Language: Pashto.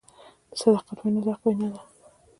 د صداقت وینا د حق وینا ده.